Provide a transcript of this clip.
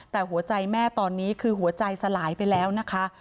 แต่หัวใจแม่ตอนนี้คือหัวใจสลายไปแล้วนะคะ